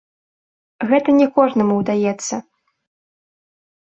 Гэта не кожнаму ўдаецца.